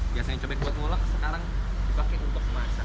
biasanya cobek buat ngolok sekarang dipakai untuk masak